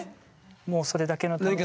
もうそれだけのために。